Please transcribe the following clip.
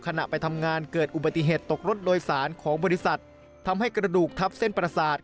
ขณะไปทำงานเกิดอุบัติเหตุตกรถโดยสารของบริษัททำให้กระดูกทับเส้นประสาท